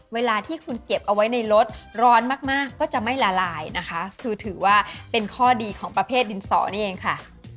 เวลาที่คุณเก็บเอาไว้ในรถร้อนมากก็จะไม่ละลายนะคะคือถือว่าเป็นข้อดีของประเภทดินสอนี่เองค่ะ